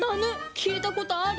聞いたことある。